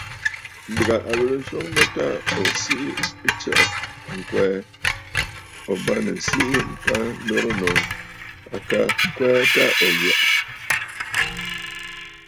Ǹdèghà a ghɨrə nswoŋ mə ta ò siʼi nstsə ŋkweè, ̀o bâŋnə̀ ǹsiʼi ŋka dorə nòô. À ka kwɛɛ ta ò yɔʼɔ.